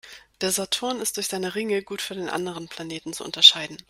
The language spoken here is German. Der Saturn ist durch seine Ringe gut von den anderen Planeten zu unterscheiden.